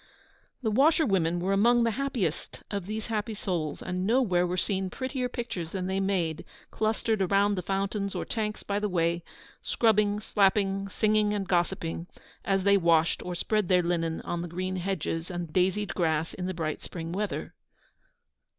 The washerwomen were among the happiest of these happy souls, and nowhere were seen prettier pictures than they made, clustered round the fountains or tanks by the way, scrubbing, slapping, singing, and gossiping, as they washed or spread their linen on the green hedges and daisied grass in the bright spring weather.